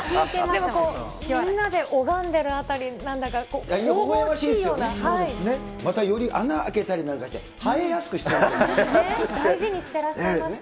でもこう、みんなで拝んでるあたり、なんだか、神々しいような。またより、穴開けたりなんかして、生えやすくしてるね。